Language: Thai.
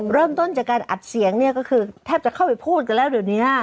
เริ่มต้นจากการอัดเสียงเนี่ยก็คือแทบจะเข้าไปพูดกันแล้วเดี๋ยวนี้